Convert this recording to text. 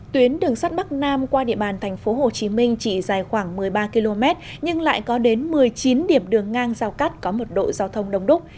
tuyến đường sắt bắc nam qua địa bàn thành phố hồ chí minh chỉ dài khoảng một mươi ba km nhưng lại có đến một mươi chín điểm đường ngang giao cắt có một đội giao thông đông đúc